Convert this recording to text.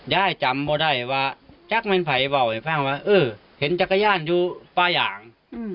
ยายจำไม่ได้ว่าจักรายานมันไปละไหวยี่แฟงว่าอ่อลล่ะเห็นจักรายานอยู่ป้ายัง